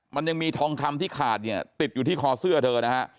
มันยังมีทองคำที่ขาดเนี่ยติดอยู่ที่คอเสื้อเธอนะฮะ